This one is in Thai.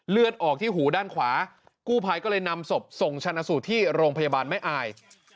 เลือดออกที่หูด้านขวากู้ภัยก็เลยนำศพส่งชนะสูตรที่โรงพยาบาลแม่อาย